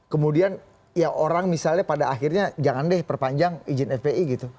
kemudian ya orang misalnya pada akhirnya jangan deh perpanjang izin fpi gitu